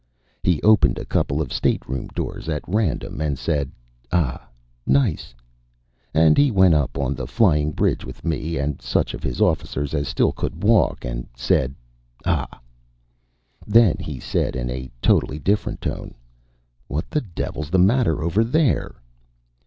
He opened a couple of stateroom doors at random and said: "Ah, nice." And he went up on the flying bridge with me and such of his officers as still could walk and said: "Ah." Then he said in a totally different tone: "What the devil's the matter over there?"